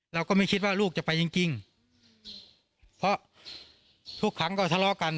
เราก็ไม่คิดว่าลูกจะไปจริงจริงเพราะทุกครั้งก็ทะเลาะกัน